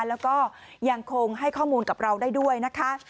แล้วก็ยังคงให้ข้อมูลกับเราได้ด้วยนะคะ